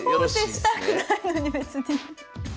王手したくないのに別に。